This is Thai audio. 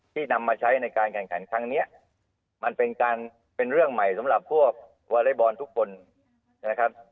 นำมาใช้ในการแข่งขันครั้งนี้มันเป็นการเป็นเรื่องใหม่สำหรับพวกวอเล็กบอลทุกคนนะครับ